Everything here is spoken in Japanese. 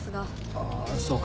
ああそうか。